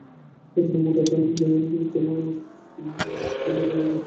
এখানে মোটা টা ঘায়েল হইছে তুমি তাকে মারার আগে।